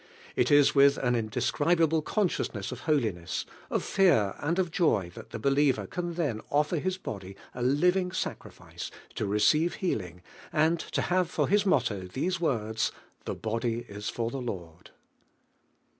It is with an in describable consciousness of holiness, of fear and of joy that ttie believer can then offer bis body a living sacrifice to receive healing, and to have for his motto these words: "The body is for the Lord."